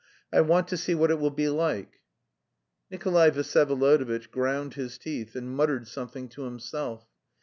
I want to see what it will be like." Nikolay Vsyevolodovitch ground his teeth, and muttered something to himself.